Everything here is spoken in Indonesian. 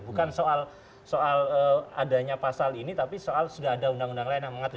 bukan soal adanya pasal ini tapi soal sudah ada undang undang lain yang mengatur